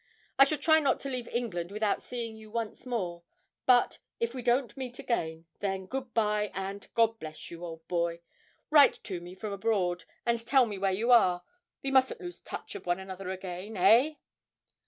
I shall try not to leave England without seeing you once more; but, if we don't meet again, then good bye and God bless you, old boy! Write to me from abroad, and tell me where you are. We mustn't lose touch of one another again eh?'